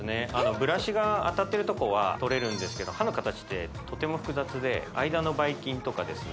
ブラシが当たってるとこはとれるんですけど歯の形ってとても複雑で間のばい菌とかですね